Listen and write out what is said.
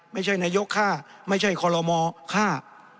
ไม่ใช่นายกฆ่าไม่ใช่คอลโลมฆ่า